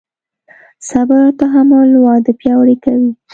صبر او تحمل واده پیاوړی کوي.